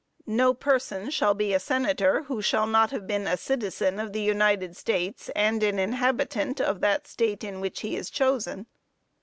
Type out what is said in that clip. No person shall be a senator who shall not have been a citizen of the United States, and an inhabitant of that state in which he is chosen."